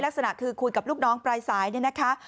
ลักษณะคือคุยกับลูกน้องปลายสายเนี่ยนะคะ